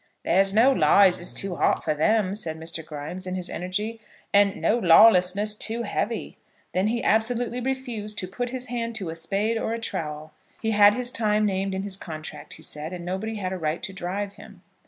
"There's no lies is too hot for them," said Mr. Grimes, in his energy, and "no lawlessness too heavy." Then he absolutely refused to put his hand to a spade or a trowel. He had his time named in his contract, he said, and nobody had a right to drive him.